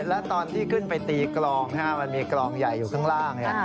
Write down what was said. แล้วตอนได้ที่ไปตีกรองให้กองใหญ่อยู่ข้างล่างเนี่ย